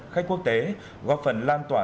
khách quốc tế góp phần lan tỏa